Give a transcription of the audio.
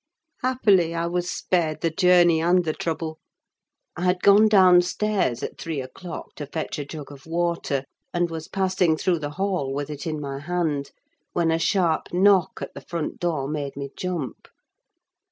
Happily, I was spared the journey and the trouble. I had gone downstairs at three o'clock to fetch a jug of water; and was passing through the hall with it in my hand, when a sharp knock at the front door made me jump.